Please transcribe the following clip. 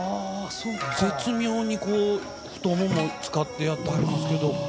絶妙に、太ももを使ってやってはりますけど。